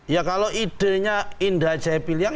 ya kalau idenya indra jaya piliang